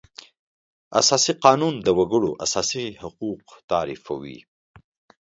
اساسي قانون د وکړو اساسي حقوق تعریفوي.